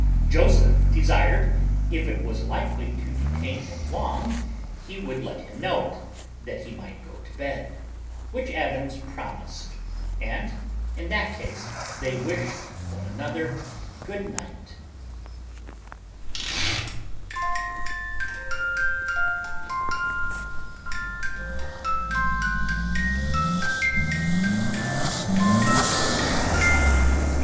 Joseph desired, if it was likely to detain him long, he would let him know it, that he might go to bed, which Adams promised, and in that case they wished one another good night.